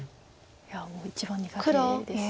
いやもう一番苦手です。